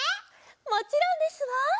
もちろんですわ。